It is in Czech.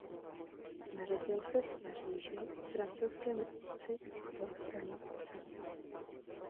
Narodil se v Paříži francouzskému otci a polské matce.